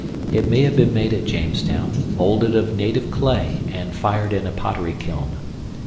It may have been made at Jamestown, molded of native clay and fired in a pottery kiln.